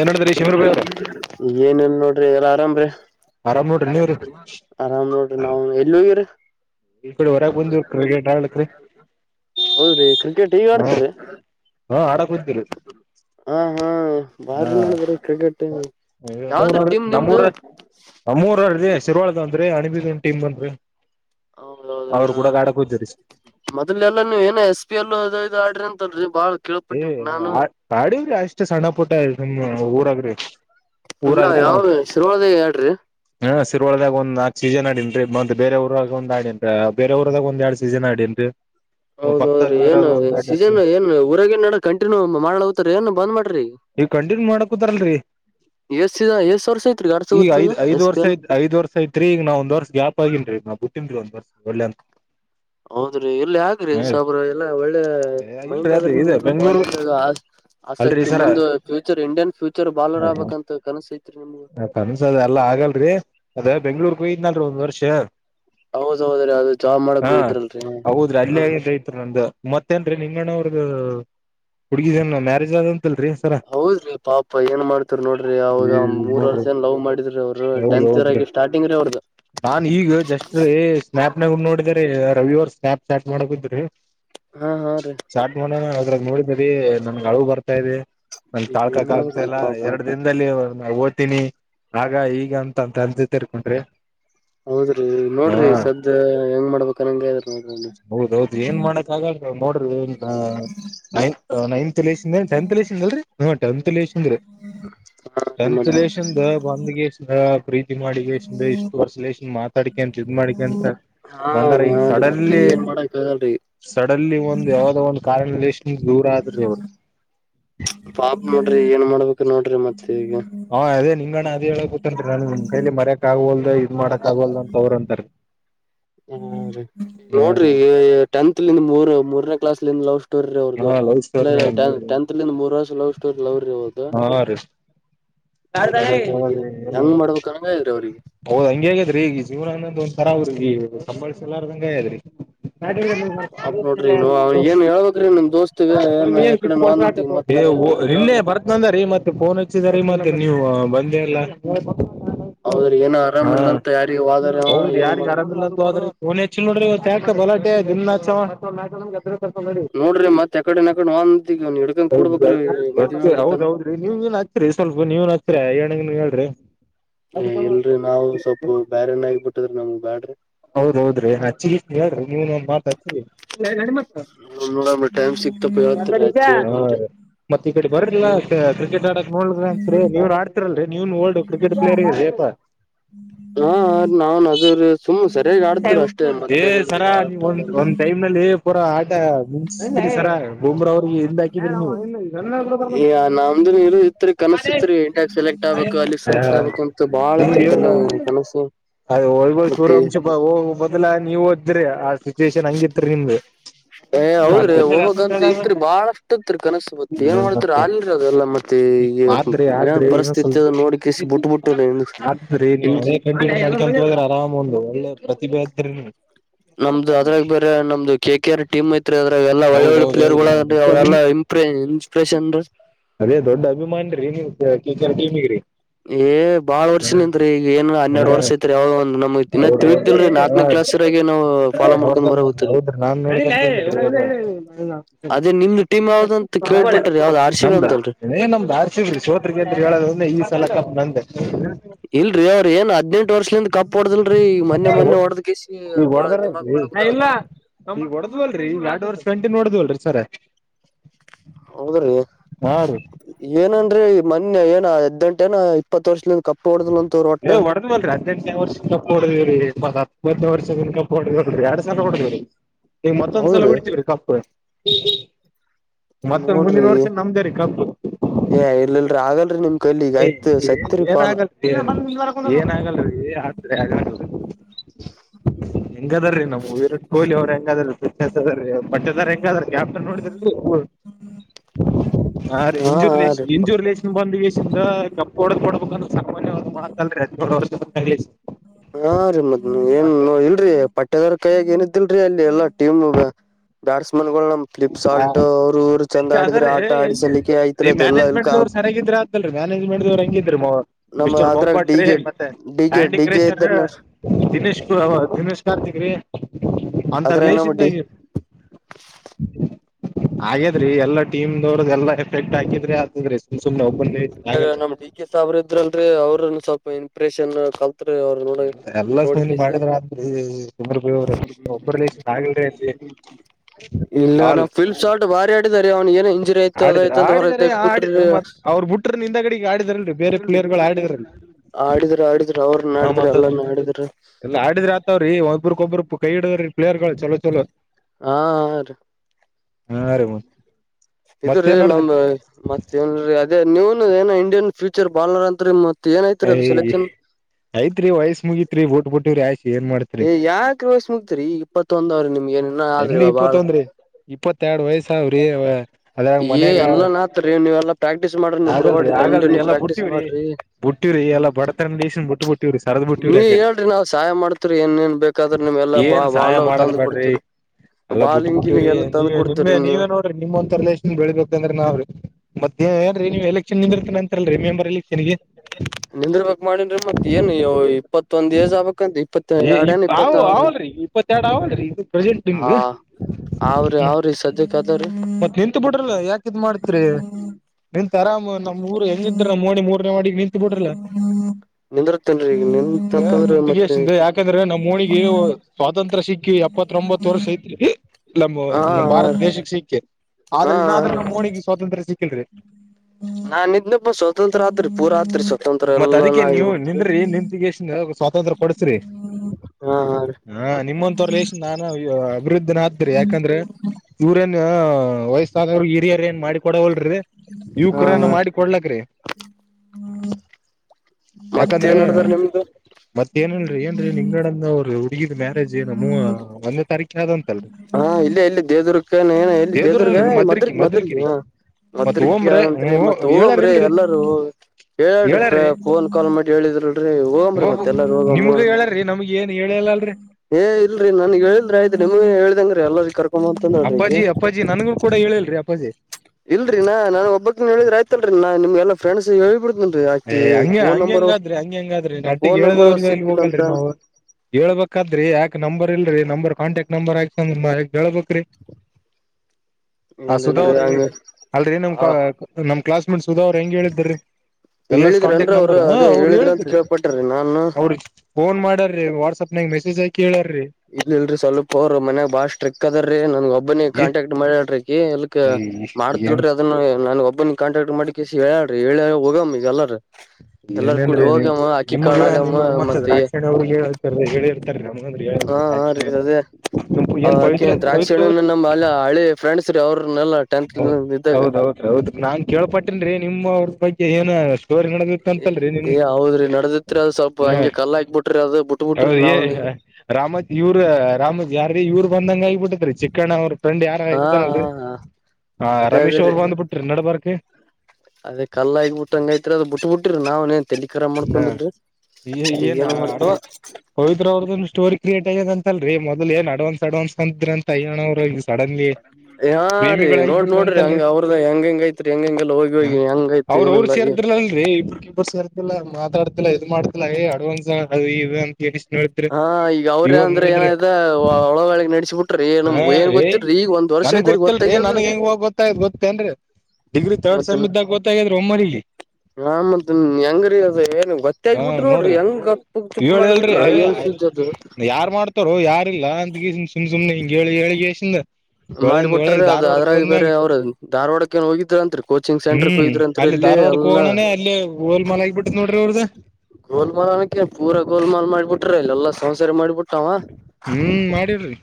ಏನ್ ನಡದ್ರಿ ಶಿಮೀರ್ ಭಾಯಿ ಅವ್ರಿ ಏನನ್ ನೋಡ್ರಿ ಎಲ್ಲಾರು ಆರಾಮ್ರಿ ಆರಾಮ್ ನೋಡ್ರಿ ನೀವ್ರಿ ಆರಾಮ್ ನೋಡ್ರಿ ನಾವ್ ಎಲ್ ಹೋಗಿರಿ ಇ ಕಡೆ ಹೊರಾಗ ಬಂದವರ ಗಡ ಹಾಳ್ತ್ರಿ ಹೌದ್ರಿ ಕ್ರಿಕೆಟ್ ಈಗ್ ಆಡ್ತಿರಿ ಹಾ ಆಡಕ್ ಕುಂತೀರಿ ಹ ಹಾ ಹಾ ಬಾರ್ ನೋಡದ್ರ ಕ್ರಿಕೆಟ್ ಯಾವ್ದ ಟೀಮ್ ನಿಮ್ದು [unintelligible] ಶರ್ಾಳದ ಅನ್್ರರಿ ಅಣಿಬ ಟೀಮ್ ಬನ್ರಿ ಹೌದ್ ಹೌದ್ರಿ ಹ ಮೊದಲ್ ಎಲ್ಲಾ ನೀವ್ ಏನ್ ಎಸ್ ಪಿ ಎಲ್ಲು ಅದು ಇದು ಆಡ್ರಿ ಅಂತಲ್ರಿ ಬಾಳ್ ಏ ಕೇಳ್ಪಟ್ಟೇನ್ ನಾನು ಆ ಆಡಿವ್ರಿ ಅಷ್ಟ್ ಸಣ್ಣ ಪುಟ್ಟ [unintelligible] ಊರಾಗ್ರಿ ಇಲ್ಲ ಊರಾಗ್ರಿ ಯಾವ [unintelligible] ಶುರ್ವದ ಯಡ್ರಿ ಹರ್ ಒಳದಾಗ ಒಂದ ನಾಕಕ್ ಸೀಸನ್ [unintelligible] ಅಡನ್ೀ ಮ ಬೇರೆ ಊರಾಗ ಒ್ ಆಡಡಿನ್ೀ ಬೇರೆ ಊರದಾಗ ಒಂದ ಎರಡ್ ಸೀನ್ ಅಡನ್ರಿ [unintelligible] ಹೌದು ರಿ ಏನ್ ಸೀಜನ್ ಏನ್ ಊರಗನ್ ಕಂಟಿನ್ಯೂ ಮಾಡ್ ಹೊತಾರ್ ಏನ್ ಬಂದ್ ಬಿಟ್ ನಿ ಕಂಟಿನ್ಯೂ ಮಾಡಕೂತಾರಲ್ರಿ ಎಸ್ ಎಷ್ಟ್ ವರ್ಷ ಐತ್ರಿ ಈಗ ಆಡ್ಸಗತ್ತದ ಐದ್ ಐದ್ ಎಸ್ ಪಿ ವರ್ಷ ಎಲ್ ಐದ್ ವರ್ಷ ಐತ್ ರಿ ಈಗ ನಾವ್ ಒಂದ್ ವರ್ಷ ಗ್ಯಾಪ್ ಆಗೇನ್ ರೀ ನಾ ಬಿಟ್ ತಿಿ ಒ ಬರ್ ಒಳ್ಳೆಂತ [inaudible] ಹೌದ್ರಿ ಇಲ್ಲಿ ಆಕ್ರಿ ಸಾಬ್ರ ಎಲ್ಲಾ ಒಳ್ಳೆ ಇಲ್ರಿ ಮೈಂಡ್ ಅದ ಆದ್ರೆ ಇ ನಿಮ್ಗೆಲ್ಲಾ ಬಾಲ ಬೆಂಗ್ಳೂರ್ [unintelligible] ಅಲ್ರಿ ಆಸಕ್ತಿ ಸರ ಮುಂದ್ ಫ್ಯೂಚರ್ ಇಂಡಿಯನ್ ಫ್ಯೂಚರ್ ಬಾಲರ್ ಆಗ್ಬೇಕಂತ ಕನ್ಸ ಕನ್ಸ ಅದ ಎಲ್ಲಾ ಆಗಲ್ರಿ ಅದ ಬೆಂಗ್ಳೂರ್ ಹೋಯಿದ್ನೆಲ್ಲ ಒಂದ್ ವರ್ಷ ಹೌದೌದ್ರಿ ಅದು ಜಾಬ್ ಮಾಡಕ್ ಹಾ ಹೋಗಿದ್ರಲ್ರರಿ ಹೌದ್ರಿ ಹ ಅಲ್ಲೇ [unintelligible] ಐತ್ ನಂದು ಮತ್ತೇನ್ರೀ ನಿಂಗ ಅಣ್ಣ ಅವ್ರದ್ ಹುಡುಗಿದೆನ್ ಮ್ಯಾರೇಜ್ ಆದ ಹೌದ್ರಿ ಪಾಪ ಏನ್ ಮಾಡ್ತಾರ ನೋಡ್ರಿ ಅವಾಗ ಮು ಮೂರ್ ನೋಡ್ರಿ ವರ್ಷನ್ ಲವ್ ಮಾಡಿದ್ರ ಅವರು ಹೌದ ಟೆಂತ್ ಹೌದ್ರಿ ಇರಗೆ ಸ್ಟಾರ್ಟಿಂಗ್ ರೀ ಅವ್ರದು ನಾನ್ ಈಗ ಜಸ್ಟ್ ರೀ ಸ್ನಾಪ್ನಾಗ ನೋಡಿದಾರಿ ರವಿ ಅವರ್ ಸ್ನ್ಯಾಪ್ ಚಾಟ್ ಮಾಡಕ್ ಇದ್ರಿ ಹಾ ಹ ರೀ ಅದ್ರಾಗ ನೋಡಿದ್ರಿ ನನ್ಗೆ ಅಳು ಬರ್ತಾ ಇದೆ ನನ್ಗೆ ಈಗ ಏನ್ ತಾಳ್ಕಕ್ ಆಗ್ತಾ ಮಾಡ್ಬೇಕ್ರಿ ಇಲ್ಲ ಪಾಪ ಎರಡು ದಿನದಲ್ಲಿ ನಾ ಹೋತಿನಿ ಆಗ ಈಗ ಅಂತಂತ ಅಂತ ತರ್ಕೊಂಡ್ರಿ ಹೌದ್ರಿ ನೋಡ್ರಿ ಸದ್ ಹೆಂಗ್ ಮಾಡ್ಬೇಕನ್ನಂಗ್ರಿ ನೋಡ್ರಿ ಹೌದೌದು ಏನ್ ಮಾಡಕ್ ಆಗಲ್ ನೋಡ್ರಿ ಇನ್ನ ನೈತ್ತ್ ಹಾ ರೀ ಅಲ್ತ್ [unintelligible] ಮತ್ತ [unintelligible] ೇಶನ್ ಬಂದಗೆ ಪ್ರೀತಿ ಮಾಡಿ ಇಷ್ಟ ವರ್ಷ ಲೇಶನ್ ಮಾತಾಡಿಕ ಅಂತ ಇದ್ ಮಾಡ್ಿಕ ಅಂತ [unintelligible] ಹಾ ಬಂದಾರೆ ರೀ ಈ ಹಾ ರೀ ಮತ್ತೆ ಸಡನ್ಲ್ಲಿ ಏನ್ ಮಾಡಕ್ ಆಗಲ್ರಿ ಸಡನ್ಲಿ ಒಂದು ಯಾವದೋ ಒಂದು ಕಾರಣದಲ್ಲಿ ದೂರ ಆದ್ರಿ ಅವರು ಪಾಪ್ ನೋಡ್ರಿ ಏನ್ ಮಾಡ್ಬೇಕ್ ನೋಡ್ರಿ ಮತ್ ಹಾ ಅದೇ ನಿಂಗಣ ಅದ ಹೇಳ ಕುಂತನ್ರಿ ನನ್ ಕೈಲಿ ಮರ್ಯಕ್ ಆಗೋಲ್ದ ಇದ್ ಮಾಡಕ್ ಆಗಲ್್ [unintelligible] ತವ್ರ ಅಂತಾರೆ ಹ ರಿ ರೀ ನೋಡ್ರಿ ಟೆಂತ್ಲಂದ ಮೂರ್ ಮೂರನೇ ಕಾಸ್ಲಿಂದ್ ಲವ್ ಸ್ಟೋರಿರಿ ಅವ್ರದದು ಹಾ ಲವ್ ಇಲ್ಲ ಸ್ಟೋರಿ ಇಲ್ಲ [unintelligible] ನೋಡ್ರಿ ಟಂತ್ಂದ ಮೂರ್ ವರ್ಷ ಲವ್ ಸೋರಿ ಲವ್ರೀ ಹಾ ರೀ [inaudible] ಅವ್ರ ಮತ್ತೆ ಈಗ ಹೆಂಗ್ ಮಾಡ್ಬೇಕ ಹಂಗರಿ ಅವ್ರಿಗೆ ಹೌದ ಹಂಗ ಹೇಗಾದ್ರಿ ಈಗ ಜೀವನ ಅನ್ನ ತರ ಅವ್ರಿ ಸಂಬಳಿಸರದಂಗೆ ಏನು ಪಾಪ್ ನೋಡ್ರಿ ನೋ ಅವ್ ಏನ್ ಹೇಳ್ಬೇಕ್ರಿ ನಿಮ್ ದೋಸ್ತಿಗೆ ಏನ್ ಎಕಡೆ ಕ ವಡ್ಸತ ನೋಂದಂತ ಮತ್ತ [inaudible] ಓ ನಿನ್ನೆ ಕೇಳ್ಬೇಕ್ರಿ ಬರ್ತ್ನಂದಾರಿ ಮತ್ತೆ ಫೋನ್ ಹಚ್ಚಿದಾರಿ ಮತ್ತೆ ನೀವು ಬಂದೆ ಇಲ್ಲ [inaudible] ಹೌದ್ರಿ ಏನ ಹ ಆರಾಮ ಇಲ್ಲ ಅಂತ ಯಾರಿಗ ಹೋದಾರ ಅವ ಏನ್ ಯಾರಿ ಮಾಡ್ಬೇಕ್ ಆರಾಮ್ರ ನೋಡ್ರಿ ಫೋನ್ ಹೆಚ್ಚ ನೋಡ್ರಿ ಯಾಕ ಗಲಾಟೆ [unintelligible] [inaudible] ಹೌದೌದ ನೀ ನೋಡ್ರಿ ಮತ್ ಯಕಡೆನ ಯಕಡೆ ಒಂದ ಈಗ ಅವ್ನ ಹಿಡ್ಕೊಂಡ್ ಕೂಡ್ಬೇಕ್ರಿ ಮದ್ವೆ ಆಗತಾನ [unintelligible] ಹತ್ರಿ ಸ್ವಲ್ಪ ನೀವ ಹತ್ರಿ ಏನಂಗ ಹೇಳಿ ಏ ಇಲ್ರಿ ನಾವು ಸ್ವಲ್ಪ ಬೇರೆನ ಆಗ ಬಿಟ್ಟದ್ರಿ ನಮಗ್ ಬ್ಯಾಡ್ರಿ ಹೌದೌದ್ರಿ ಹಚ್ಚಿ ಹೇಳ್ರಿ ನೀವನ್ ಒಂದ್ ಮಾತ್ ಹಚ್ರಿ [inaudible] ಹ ನೋಡಮ್ರಿ ಟೈಮ್ ಸಿಕ್ತಪ್ಪ ಹೇಳ್ತರಿ ರಿ ಹಚ್ಚಿ ಹೇಳ್ತನ್ರಿ ಮತ್ ಈ ಕಡೆ ಬರಿಲ್ಲ [unintelligible] ಡ್ [unintelligible] ಹಾ ನಾನ್ ಅದವ್ರಿ ಸುಮ್ ಸ್ ಹುಟ್ ನೋಡು ಏ ಸರಾ ನೀವ್ ಒಂದ್ ಆಡಲ್ರಿ ಒಂದ್ ಟೈಮ್ ನಲ್ಲಿ ಪೂರ ಆಟ [unintelligible] ಸರ ಗೊಂಬ್ರ ಅವ್ರಿಗೆ ಎ ಹಾಕಿದ ನಮ್ದನ್ [unintelligible] ಇಟ್ಟಬೇಕು ಅಲ್ಲಿ ಸಲಟ್ ಆಬೇಕು ಅಂತ ಬಾಳ್ ನೀವು ಇತ್ರ್ಕಲ್ಲ ಕನಸು. ಅದ ಹ ಬಟ್ಟಿ ಸೂರ್ಯವಂಶ ಹೋಗ ಬದಲ ನೀವ ಓದ್ರಿ ಆ ಸಿಚುವೇಶನ್ ಹಂಗಿತ್ ನಿಮ್ದು. ಏ ಹೌದ್ರಿ ಹೋಗವಾಗಂತ ಇತ್ರಿ ಬಾಳಷ್ಟತ್ರಿ ಕನಸು ಬತ್ತ ಏನ್ ಮಾಡ್ತರಿ ಆಾಲರದಲ್ಲ ಮತ್ತೆ. ಈ ಆತ್ರಿ ಮನ ಆತ್ರಿ ಏನಲ್ಪ ಪರಿಸ್ಥಿತಿ ನೋಡಿ ಕಿಸಿ ಬಿಟ್ಟ ಬಿಟ್ಟವ್ರಿ ಆತ್ರಿ [unintelligible] ್ರ ಆರಾಮ್ ಒಂದು ಒಳ್ಳೆ ಪ್ರತಿಭೆ ಆತ್ರಿ. ನಮ್ದು ಅದ್ರಾಗ ಬೇರೆ ನಮ್ದು ಕೆ ಕೆ ಆರ್ ಟೀಮ್ ಐತ್ರಿ ಅದ್ರಾಗ ಎಲ್ಲ ಒಳ್ಳೆ ಒಳ್ಳೆ ಪ್ಲೇರ್ಗಳ ಆತ್ರಿ ಹೌದೌದೌದ್ರಿ ಅವ್ರೆಲ್ಲಾ. ಪ್ರೇನ್ ಅದೇ ದೊಡ್ಡ ಅಭಿಮಾನಿ ರೀ ಕೆಕೆಆರ್ ಟೀಮಿಗ್ರಿ. ಏ್ ಬಾಳ್ ವರ್ಷ ನಿನ್ ರೀ ಈಗ ಏನು ಹನ್ನೆರಡ್ ಹ ವರ್ಷ ಐತ್ರಿ ಯಾವ್ದೋ ಒಂದ ನಮ್ ಇನ್ನ ತಿಳಿದಿಲ್ರಿ ನಾಲ್ಕನೇ ಹಾ ಕ್ಲಾಸ್ ನಾವು ಫಾಲೋ ಮಾಡ್ಕೊಂಡು ನೋಡ್ತನ್ ಬರ ಬಂದೆ ಹತ ಹೌದ್ರಿ ನಾನ್ ಅದೇ ನಿಮ್. ಟೀ ಮಾಡದನ್ ಅಂತ. ನಮ್ದ ಏನ್ ನಮ್ದು ಆರ್ಸಬ್ರಿ ಸೋತ್ರಿ ಗೆದ್ ರೀ. ಹೇಳೋದಂದೆ ಈ ಸಲ ಕ ನಂದೆ. ಇಲ್ರರಿ ಅವ್ರ ಏನ್ ಹದ್ನೆಂಟ ವರ್ಷದಿಂದ ಕಪ್ ಹೊಡದಲ್ರರಿ ಈ ಮನೆ ಮನೆ ಹೊಡದ ಕಸ ಈಗ ಬಾಳ ದಿಮಾ್ ಹೊಡದಾರಲ್ರಿ ಮಾಡುದ. ಇಲ್ಲ ನಮ ನಡ್ವಲ್ರಿ ಎರಡ್ ವರ್ಷ ಗಂಟ ನೋಡದ್ವಲ್ರರಿ ಸರ. ಹೌದ್ರಿ ಹಾ ರೀ ಏನನ್್ರಿ. ಮೊನ್ನೆ ಏನ ಎದ್ ಗಂಟೆನ ಇಪ್ಪತ್ತು ವರ್ಷದಿಂದ. ಏ ಹೊಡೆದಲ್ವರಿ ಮಾಡರಿ ಹದ್ೆಂಟನ ವರ್ಷ ಕೊಡದವೀ. ಮ ಹತ್ತತ್ತ್ತತ್ ವರ್ಷದ ಕಪ್ಪ ಹೊಡೆದರು ಯಾಡ್ ಸಲ ಕೊಡ್ರಿ. ಈಗ ಮತ್ತೊಂದ್ಸಲ ಹೌದ್ರಿ ಹಡ್ತೀವ್ರಿ ಕಪ್. ಮತ್ತೊಂದು ಮುಂದಿನ ನೋಡ್ರಿ ವರ್ಷ ನಮ್ದೇ ರೀ ಕಪ್. ಏ ಇರ್ಲಿಲ್ರರಿ ಆಗಲ್ರಿ ನಿಮ್ ಕೈಲಿ ಈಗ ಏ ಆಯ್ತ್ ಸತ್ರಿ ಪಾಲ್ ಏನಾಗಲ್ ಏನಾಗಲ್ ರೀ ಹತ್ರಿ. [unintelligible] ಹೆಂಗದಾರೀಮಮ್ಮ ವಿರಾಟ್ ಕೊಹ್ಲಿ ಅವ್ರ ಹೆಂಗಾದ್ರಿಟ್ಸ್ ಅದೀ ಪಟ್ಟೇದಾರ್ ಹೆಂಗಾದದ್ರ ಕ್ಯಾಪ್ಟನ್ ನೋಡ್ರೀ. ಹಾ ರೀ ಇಂಜುರ್ ಹಾ ಲ ರೀ ಇಂಜೂರ್ ಲೇಶನ್ ಬಂದವಿ. ಕಪ್ಪೋಡ ಹೋಡಕೋಡ ಬೇಕ. ಹಾ ರೀ ಮತ್ ಮತ್ತೆ ಏನು ಇಲ್ರಿ ಪಟ್ಟ. ಬಟ್ಟದರ ಕೈಯಾಗಿ ಏನಿದಿಲ್ರರಿ ಅಲ್ಲಿ ಎಲ್ಲ ಟಮ್ ಬ್ಯಾಟ್ಸ್. ಮನ್ಗಳಗಳು ನಮ್ ಹಾ ಫ್ಲಿಪ್ಸಾರ್ಟ ಅವರು ಊರು ಚಂದ ಆಡಿದ್ರೆ ಅದಾರೀ ಆಟ ಆಡಿಸಲಿಿಕ ಐತ್ ಅದೆ ಎಲ್ಲ ಇಲ್ಕ. ಹತ್ಲ್ರಿ ಮ್ಯೇಜ್ಮೆಂಟ್್ ಹಂಗಿದ್ರೀ ಮಾವ. ನಮ್ ಮಿಸ್ಟರ್ ಅದ್ರಾಗ ಬೊಂಬಾಟ್ರಿ ಡಿಗೆ ಮತ್ತೆ ಡಿಗೆ ಹ್ಯಾಂಡಿ ಡಿಗೆ ಕ್ರಷರ್ ಇದ್ದ ದಿನೇಶ್ ದಿನೇಶ್. ಕಾರ್ತಗ್ರಿ ಅಂತರ್ ಅದ್ರಾಗ ನಮ್ ಡಿ ಲೇಸಿಂದಗಿ ಹಾಗೇದ್ರಿ ಎಲ್ಲಾ ಟೀಮ್ ದವ್ರದ್ದ ಎಲ್ಲಾ ಎಫೆಕ್ಟ್ ಹಾಕಿದ್ರಿ ಆತಿದ್ರಿ. ಅ್ರ ನಮ್ ಡಿ ಕೆ ಸಾಬ್ರ ಇದ್ರಲ್ರಿ ಅವ್ರನ್ನ ಸ್ವಲ್ಪ ಇಂಪ್ರೆಷನ್ ಕಲ್ ಹ ಅವ್ರ ನೋಡ ಎಲ್ಲ ಎಲ್ಲಾ ಸುಮ್ನೆ ನೋಡಿಕಸ ಮಾಡಿದ್ರ ಆತ್ರಿ ಕುಂದ್ರ ಬೈ ಅವ್ರ ಒಬ್ಬ ರಿಲೇಷನ್ ಆಗಲ್ರಿ ಅಲ್ಲಿ [inaudible] ಇಲ್ಲ ಕಾಲ್ ನಾವು ಫಿಲ್ಪ್ ಸಾಲ್ಟ್ ಬಾರಿ ಆಡಿದಿದ್ದಾರೆ. ಅವ್ನು ಏ ಇಂಜುರಿ ಆಯ್ತು ಆಡಿದ್ರ ಅದ್ತಂತ ಆಡಿದರೆ ಆಡಿ ಹೊರಬಿಟ್ರಿ. ಮತ್ ಅವ್ರು ಬಿಟ್ರ ಹಿಂದಗಡಿಗೆ ಆಡಿದಾರಲ್ರಿ ಬೇರೆ ಪ್ಲೇಯರ್ ಗಳು ಆಡಿದ್ರಲ್ ಆಡಿದ್ರ ಆಡಿದ್ರರು ಅವ್ರನ್ನ ಹಾ ಆಡಿದ್ರ ಮತ್ತ ಎಲ್ಲಾನ ಆಡಿದ್ರ. ಎಲ್ಲ ಆಡಿದ್ರಿ ಆತವ್ರೀ ಒಬ್ಬ್ರಕ್ ಒಬ್ಬರು ಕೈ ಹಿಡ್ರೀ ಪ್ಲೇರ್ ಗಳು ಚಲೋ ಚಲೋ. ಹಾ ರೀ ಹಾ ಅ ರೇಮ ಇರೀ ನಮ ಮತ್ತ ಏನ್ರೀ ಅದೇ ನೀವನು ಏನ ಇಂಡಿಯನ್ ಫ್ಯೂಚರ್ ಬಾಲರ್ ಅಂತರಿ ಮತ್ತ. ಏನಾಯ್ತ್ರೀ ಅದು ಸೆಲೆಕ್ಷನ್. ಐ್ತ್ರಿ ವಯಸ್ ಮುಗತ್ರಿ ಒಟ್ ಬಿಟ್ಟವ್ರಿ ಆಯ್ಶ ಏನ್ ಮಾಡಾತ್ರಿ. ಏ ಯಾಕ ವಯಸ್ ಮುಗ್ತರಿ ಈಗ ಇಪ್ಪತ್ತೊಂದ ಅವ್ರಿ ನಿಮ್ಗೆ ಏನ ಎನ್ ಆದ್ರಿ ಬಾಳ ಇಪ್ಪತ್ತೊಂದ್ರಿ ಇಪ್ಪತ್ತ ಎರಡ್ ವಯಸ್ಸಾವ್ರಿ. ಅದಾಗ ಏ ಮನ್ಯಾಗ ಎಲ್ಲಾ ನಾತ್ರಿ ನೀವೆಲ್ಲಾ ಪ್ರಾಕ್ಟೀಸ್ ಮಾಡ್ರಿ ನೀವ್ ಆಗಲ್ರಿ ಬಿಡಬ್ಯಾಡ್ರಿ ಆಗಲ್ರಿ ಕಂಟಿನ್ಯೂ ಎಲ್ಲಾ ಪ್ರಾಕ್ಟೀಸ್ ಬುಟ್ಟಿರಿ. ಮಾಡ್ರಿ ಬೊಟ್ಟಿರ ಎಲ್ಲ ಹ್ಮ್ ಬಡತರೇಶಸ ಬಟ್ಟಬಟ್ಟಿ. ುಟ್ಟ ಸರದ್ ಬಿುಟ್ಟೂರಿ ನೀವ್ ಯಾಕಡೆ ಹೇಳ್ರಿ ನಾವ್ ಸಹಾಯ ಮಾಡ್ತರಿ ಏನ್ ಏನ್ ಬೇಕಾದ್ರ ನಿಮ್ಗೆಲ್ಲಾ ಬಾ ಏನ್ ಸಹಾಯ ಬಾಲ್ ಅವ್ ಮಾಡದ ತಂದ್ ಬೇಡ್ರಿ. ಕೊಡ್ತರಿ ಅಲ್ಲಾ ಬಿಟ್ಟ ಬಾಲಿಂಗ್ ಗಿಲಿಂಗ್ ಬಿಟ್ಟಿವ್ರಿ ಎಲ್ಲಾ ತಂದ್ ನೀವ ನಿಮ್ಮ ಕೊಡ್ತರಿ ನೀವು ನೀವೇ ನೋಡ್ರಿ ನಿಮ್ಮ್ ಒಂತ ರಿಲೇಷನ್ ಬೆಳಿಬೇಕ ಅಂದ್ರೆ ನಾವ್ರಿ ಮತ್ ನೀ ಏನ್ರಿ ನೀವು ಎಲೆಕ್ಷನ್ಂದಿರ್ತನ ಅಂತಲ್ರೀ ಮೇಂಬರ್ ಎಲೆಕ್ಷನ್ಗೆ. ನಿಂದ್ರಬೇಕ್ ಮಾಡೇನ ಮತ್ತತ್ ಏನ್ ಇಪ್ಪತ್ತೊಂದ್ ಏಜ್ ಅಗ್ಬೇಕ್ ಏ ಇ ಅವ ಅವಲ್ರಿ ಇಪ್ಪತ್ತೆರಡು ಅವಲ್ರಿ ಪ್ರೆಸೆಂಟ್ ಹಾ ನಿಮ್ಗೆ ಅವ್ರಿ ಅವ್ರಿ ಸದ್ಯಕ್ಕೆ ಅದರಿ ಮತ್ ನಿಂತು ಬಿಡ್ರಲ್ಲ ಯಾಕಿದ್ ಮಾಡ್ತ್ರಿ ನಿಂತು ನಮ್ ಊರು ಹೆಂಗಿದ್ರ ನಮ್ ಮೋಡಿ ಮೂರನೇ ಒಡಿಗೆ ನಿಂತು ಬಿಟ್ರಲ್ಲ. ನಿಂದರ್ತೇನ್ರಿ ಈಗ ನಿಂತಂತಂದ್ರ ನಿಂತಗೆ ಮತ್ತೆ ಎಷ್ಟಂತೆ ಯಾಕಂದ್ರೆ ನಮ್ಮ ಹೋನಿಗೆ ಸ್ವಾತಂತ್ರ ಸಿಕ್ಕಿ ಎಪ್ಪತ್ತೊಂಬತ್ತು ವರ್ಷ ಐತ್ರಿ ನಮ್ಮ ಹ ನಮ್ ಹಾ ಭಾರತ ರೀ ದೇಶಕ್ಕೆ ಸಂಖೆ ಹಾ ರೀ ಸಿಕ್ಕಿಲ್ರಿ ನಾ ನಿಮ್ ಅಪ್ಪ ಸ್ವತಂತ್ರ ಆತ್ರಿ ಪೂ ಮತ್ ಅದಕ್ಕೆ ನೀವು ನಿಂದ್ರಿ ನಿಂತಿಗೆ ಎಷ್ಟ ಸ್ವಾತಂತ್ರ ಕೊಡ್ಸ್ರಿ ಹಾ ಹಾ ರೀ ಹ ನಿಮ್ಮಂತರಲೇಶನ್ ನಾನು ಅಭಿವೃದ್ಧ ನ ಆದತ್ರಿ ಯಾಕಂದ್ರೆ ಇವ್ರೇನ್ ವಯಸ್ಸಾದರು ಹಿರಿಯರ ಏನ್ ಮಾಡಿಕೊಡವ ಹಾ ಯುವಕ್ರನ ಹಾ ರೀ ಮಾಡಿ ಕೊಡ್ಲಕ್ ರೀ ಯಾಕಂದ್ರೆ ಮತ್ತೇನ್ ನಡದರಿ ನಿಮ್ದು ಮತ್ತ ಏನ್ ಹೇಳಿ ಏನ್ರೀ ನಿಂಗ ನಡಂದ ಅವ್ರಿ ಈಗಿದ ಮ್ಯಾರೇಜ್ ನಮ್ಮ ಒಂದ್ ತಾರೀಕ ಆದಂತ ಹಾ ಇಲ್ಲಿ ಎಲ್ಲಿ ದೇವದುರ್ಗನ ಇಲ್ಲಿ ದೇವದುರ್ಗ ದೇವದುರ್ಲ್ರರಿ ಮದ್ರಕಿ ಮದರ್ಗ ಮದಗ ಮದ್ರಕಿರಿ ಮತ್ ಓಮ್ರ ಮದಕ್ಕೆತ್ರಿ ಮತ್ ಹೇಳಾರ ಹೋಗಂಬ್ರೆ ಇಲ್ರಿ ಎಲ್ಲಾರೂ ಹೇಳ್ರಿ ಹೇಳಾರ್ರಿ ಫೋನ್ ಕಾಲ್ ಮಾಡಿ ಹೇಳಿದ್ರಿ ಹೋಗಮ್ರ ರಿ ಮತ್ತ ಎಲ್ಲಗೆ ಹೋಗಮ್ಮ ನಿಮ್ಗ ಹೇಳಾರ್ರಿ ನಮ್ಗ ಏನ್ ಹೇಳಲ್ಲಲ್ರರಿ ಏ ಇಲ್ರರಿ ನನ್ಗ್ ಹೇಳಿದ್ರಿ ಆಯ್ತ್ ನಿಮಗೆ ಹೇಳ ಇದಂಗ್ರೀ ಎಲ್ಲ ಕರ್ಕೊತ ನೋಡ್ರಿ ಈಗ ಅಪ್ಪಾಜಿ ಅಪ್ಪಾಜಿ ನನ್ಗೂ ಕೂಡ ಹೇಳಿಲ್ರಿ ಅಪ್ಪಾಜಿ ಇಲ್ರಿ ನಾನ್ ಒಬ್ಬಕ್ ಹೇಳಿದ್ರ ಆಯ್ತಲ್ರರಿ ನಾ ನಿಮ್ಗೆಲ್ಲ ಫ್ರೆಂಡ್ಸ್ ಹೇಳ್ ಬಿಡ್ ಏ ಹಂಗ ಹಂಗ ಹಂಗಾದ್ರಿ ಹಂಗ ಹಂಗಾದ್ರಿ ನಟ್ಟಗ್ ಫೋನ್ ನಂಬರ್ ಹೇಳದವ್ರಲ್ಲಿ ಸಿಕ್ಕಿಲ್ಲ ಅಂತ ಹೋಗಲ್ರಿ ನಾವು ಹೇಳ್ಬೇಕಾದ್ರಿ ಯಾಕ ನಂಬರ್ ಇಲ್ರಿ ನಂಬರ್ ಕಾಂಟ್ಯಾಕ್ಟ್ ನಂಬರ್ ಆಯಂದ್ರ ಕೇಳ್ಬೇಕ್ರಿ ಹ ಇಲ್ ಇಲ್ರಿ ಸುಧವ್ರಿ ಹಂಗ ಅಲ್ರಿ ನಿಮ್ ನಮ ಕ್ಲಾಸ್ ಸುಧಾ ಅವರ್ ಹೆಂಗ ಹೇಳಿ ಬರ್ರಿ ಎಲ್ಲ ಹೇಳಿದ್ರನ್ರಿ ಕಾಂಟ್ಯಾಕ್ಟ್ ಅವ್ರು ನಂಬರ್ ಹ ಅದೇ ಅವರು ಹೇಳಿದ್ರ ಅಂತ ಹೇಳಿದ್ರಿ ಕೇಳ್ಪಟ್ಟ್ರಿ ನಾನು ಅವ್ರ ಫೋನ್ ಮಾಡ ವಾಟ್ ವಾಟ್ಸಪ್ ನ್ಯಾಗ್ ಮೆಸೇಜ್ ಹಾಕಿ ಹೇಳ್ ಇಲ್ ಇಲ್ರೀ ಸ್ವಲ್ಪ ಅವ್ರ ಮಯಾಗ ಬಾಳ ಸ್ಟ್ರಿಕ್ ಅದಾರ್ರೀ ನನ್ಗ್ ಒಬ್ಬನಿ ಏ ಕಾಂಟ್ಯಾಕ್ಟ್ ಮಾಡಿಯಾಳ್ರಿ ಏ ಎಲ್ಕ್ ಏನ್ ಮಾಡ್ದಿಲ್ರರಿ ಅದನ್ನ ನನ್ ಒಬ್ಬನಿ ಕಾಂಟಾಕ್ಟ್ ಮಾಡಿ ಕಸಿ ಹೇಳ್ಯಳಿ ಹೇಳ್ಯ ಹೋಗಮ್ಮ ಈಗ ಎಲ್ಲರ್ ಏನಿಲ್ರಿ ನೀ ನಿಮಗ ನಿಮಗ್ ಮತ್ತದೆ ಮತ್ತೆ ರಾಕ್ಷಿಣಿ ಅವ್ರತ ಹೇಳಿರ್ತಾರೆ ಹಾ ಹಾ ರೀ ಏನ್ ಅದೇಕೆ ಪವಿತ್ರ ಪವಿತ್ರ ದ್ರಾಕ್ಷಿಣ ನಮ್ ಅ ಹಳಿ ಫ್ರೆಂಡ್ಸ್ ರೀ ಅವರು ಹೌದ್ ಹೌದೌದ್ರ ಹೌದ ನಾನ್ ಕೇಳ್ಪಟ್ಟೇನ್ರಿ ನಿಮ್ಮ ಅವ್ರ ಬಗ್ಗೆ ಏನ ತೋರಿ ನಡಬೇಕ ಅಂತಲ್ರಿ ನಿಮ ಏ ಹೌದ್ರಿ ನಡದತ್ರಿ ಅದ್ ಸ್ವಲ್ಪ ಹ ಹಂಗೆ ಕಲ್ಲ ಹಾಕ್ಬಿಟ್ರಿ ಅದ ಬಿಟ್ಟ ಬಿಟ್ರಿ ಹೌದು ನಾವ್ನ್ ಈಗ ರಾಮತ್ ಇವ್ರ ರಾಮ ಯಾರ ಇವರು ಬಂದಂಗ ಆಗಬಿಟ್ಟತ್ರಿ ಚಿಕ್ಕಣ್ಣ ಅವ್ರರು ಫ್ರೆಂಡ್ ಯಾರ ಹಾ ಇರ್ತಾರದು ಹಾ ಹಾ ಅದೇ ಅದೇ ರೀ ಅದೇ ಕಲ್ಲ ಆಗಬಿಟ್ಟ ಹಂಗೈತ್ರಿ ಅದ್ ಬಿಟ್ ಬಿಟ್ರಿರಿ ನಾವ್ನೇನ್ ತಲಿಕರ ಹಾ ಮಾಡ್ಕೊಂಡಲ್ರಿ ಈ ಈಗ ಏನ್ ಮಾಡ್ತರಿ ಅಡವಾ ಪವಿತ್ರ ಅವ್ರ್ದಂದು ಸ್ಟೋರಿ ಕ್ರಿಯೇಟ್ ಆಗ್ಯದಂತ ಅಲ್ರಿ ಮೊದಲ್ ಏ ಅಡ್ವಾನ್ಸ್ ಅಡ್ವಾನ್ಸ್ ತಂದಿದ್ರಂತ ಅವ್ರು ಹಾ ರೀ ನೋಡ್ ನೋಡ್ರಿ ಹಂಗ ಅಂತಲ್ರರಿ ಅವ್ರದ ಹೆಂಗ ಹೆಂಗ ಐತ್ರಿ ಹೆಂಗ ಹೆಂಗೆಲ್ಲ ಹೋಗಿ ಹೋಗಿ ಹೆಂಗ ಐತ್ರಿ ಅವ್ರ ಅವರವರ ಸೇರಿದ್ರಲ್ರಿ ಇಬ್ರುಕ್ ಇಬ್ಬರು ಸೆರ್ ಆಲ್ಲ ಮಾತಾಡ್ತಿಲ್ಲಾ ಇದು ಮಾಡ್ತಿಲ್ಲಾ ಏ ಅಡ್ವಾನ್ಸ್ ಅವ ಇವ ಟನಿಸ್ ನೋಡಿದ್ರಿ ಹಾ ಈಗ ಅವ್ರೇ ಇವಾಗ ಅಂದ್ರೆ ನೋಡಿದ್ರಿ ಏನಾಯ್ತ ಒಳಗಗ್ ನಡಸಿಬಿಟ್ರಿ ಹ ನಮ್ ಏನ್ ಹೇ ಗೊತ್ತಿರಿ ಈಗ ಒಂದ್ ವರ್ಷ ನನ್ಗ್ ಐತ್ರಿ ಗೊತ್ತಿಲ್ರಿ ಗೊತ್ತಾಗ್ಯದ ನನ್ಗೆ ಹೆಂಗ ಹೋಗ್ ಗೊತ್ತಾಯ್ ಗೊತ್ತೇನ್ರಿ ಡಿಗ್ರಿ ತರ್ಡ್ ಸೆಮ್ ಇದ್ದಾಗ್ ಗೊತ್ತಾಗಿದ್ರೆ ಒಮ್ಮರಿಲಿ ಹ ಹ್ಮ ಹೆಂಗ್ರೀ ಅದ ಏನ್ ಗೊತ್ತ ಆಗಬಿಟ್ರ ನೋಡ್ರಿ ಹೆಂಗ ಗಪ್ಪು ತುಪ್ಪ ಹೇಳಲ್ರಿ ಮಾಡಿಬಿಟ್ರ ಏನ್ ಸುದಜ ಅದು ಯಾರ್ ಮಾಡ್ತಾರೋ ಯಾರ ಇಲ್ಲ ಅಂತ ಗೀಸ ಸುಮ್ ಸುಮನೆ ಹಿಂಗಗೆ ಹೇಳಿ ಹೇಳಿಗಸಿಂದ ಮಾಡ್ಬ ಬಿಟ್ರ ಅದ ಅದ್ರಾಗ ಬೇರೆ ಅವ್ರ ಧಾರವಾಡಕ್ಕ ಏನ್ ಹೋಗಿದ್ರಂತ್ರಿ ಕೋಚಿಂಗ್ ಸೆಂಟರ್ ಹ್ಮ್ ಹೋಗಿದ್ರಂತ್ರಿ, ಅಲ್ಲಿ ಧಾರ್ವಾಡ್ ಕ ಹೋಗೋಣೇ ಅಲ್ಲಿ ಹ ಗೋಲ್ಮಲ್ ಅನಕ್ಕೆ ಪೂರಾ ಗೋಲ್ಮಲ್ ಮಾಡಿಬಿಟ್ಟು. ಬಿಟ್ರ ಎಲ್ಲ ಸಂಸಾರ ಮಾಡಿಬಿಟ್ಟಾವ ಹ್ಮ್ ಮಾಡಿರ್ರಿ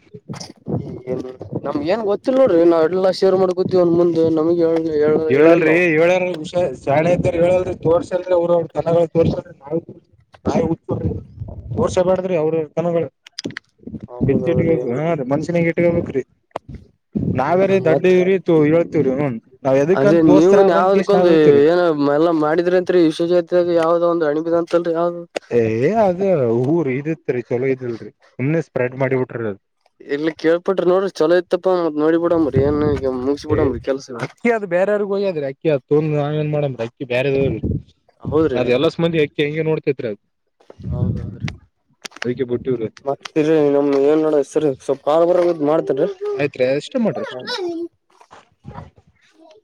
ಏನ್ ನಮ್ ಏನ್ ಗೊತ್ತಿಿಲ್ಲ ನೋಡರಿ ನಾವ ಎಲ್ಲಾ ಶೇರ್ ಮಾಡಿ ಕೊತಿೀವ ಒನ್ ಮುಂದೆ ನಮಗ್ಗೆ ಹೇಳ ಹೇಳಲ್ರಿ ಹೇಳಲ್ಷ ಶಾಳೆದಾರ ಹೇಳಲ್ರಿ ತೋರ್ಸಲ್. ತನಗಳು ತೋರ್ಸ್ರ ನಾವ ನಿಕ ತೋರ್ಸಬೇಡ್ದ್ರಿ ಅವ್ರ ತನಗಳು ಎತ್ತಟ್ಟಿಗೆ ಹೌದೌದ್ರಿ ಹೋಗು ಹದು ಮನುಷ್ಯನಾಗ ಇಟ್ಟು ಬ್ರಿ ನಾವರಿೀ ಹ್ಮ್ ಮತ್ ದೊಡ್ಡವ್ರಿ ಹೇಳ್ತೀವ್ರಿ ಹನ್ ಅದೇ ನೀವುನ್ ವದಕ್ಕೊಂದು ಏನ ಎಲ್ಲಾ ಮಾಡಿದ್ರಿ ಅಂತರಿ ವಿಶ್ವ ಜಾತ ಯಾವ ಒಂದು ಅಣಿಬಿದಂತ ಏ ಅದ ಊರ್ ಇದಿತ್ರಿ ಚಲೋ ಇದಲ್ರಿ. ಸುಮನೆ ಸ್ಪ್ರೆಡ್ ಮಾಡಿಬಟ್ರ ಅದು, ಇಲ್ಲಿ ಕೇಳ್ಪಟ್ರಿ ನೋಡ್ರಿ ಚಲೋ ಇತ್ತಪ್ಪ ಮತ್ ನೋಡಿ ಬಿಡಂಬ್ರಿ ಏನ್ ಈಗ ಮುಗಿಸಿ ಏ ಬಿಡಂಬ್ರಿ ಕೆಲ್ಸಗಳು ಅಕ್ಕಿ ಅದು ಬೇರವ್ರಗ ಹಯ್ಯಾದ್ರಿ ಅಕ್ಕಿ ಅದು ತೊಂದ ನಾವ ಏನ್ ಮಾಡಂದ್ರ ಅಕ್ಕಿ ಬೇರೆದವ್ ಅದದೆಲ್ಲ ಸಂಬಂದಿ ಯಾಕ ಹೆಂಗೆ ನೋಡ್ತತ್ರಿ ಅದು ಹೌದೌ್ರೀ ಬಿಟ್ಟಿವ್ರಿ ಮತ್ತ ನಮ್ ಏನ್ ನಡ ಸರಿ ಸ್ವಲ್ಪ ಕಾಲ್ ಬರ ಮಾಡ್ತಾರಿ ಆಯ್ತ್ರಿ [unintelligible]